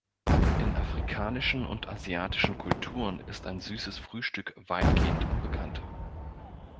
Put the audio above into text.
In afrikanischen und asiatischen Kulturen ist ein süßes Frühstück weitgehend unbekannt.